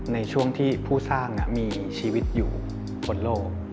ในช่วงที่ผู้สร้างมีชีวิตอยู่บนโลก